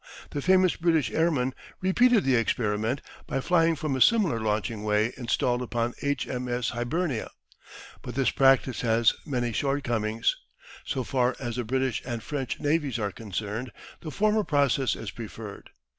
the famous British airman, repeated the experiment by flying from a similar launching way installed upon H.M.S. Hibernia. But this practice has many shortcomings. So far as the British and French navies are concerned, the former process is preferred.